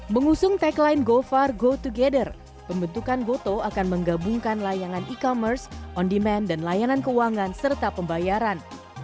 mengusung tagline gofar gotogether pembentukan gotoh akan menggabungkan layanan e commerce on demand dan layanan keuangan serta pembayaran